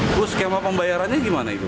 itu skema pembayarannya gimana itu